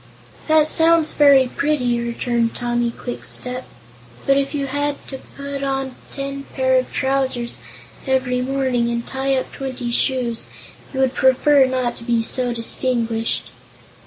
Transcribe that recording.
"That sounds very pretty," returned Tommy Kwikstep, "but if you had to put on ten pair of trousers every morning, and tie up twenty shoes, you would prefer not to be so distinguished."